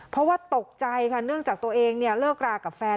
เพราะว่าตกใจค่ะเนื่องจากตัวเองเลิกรากับแฟน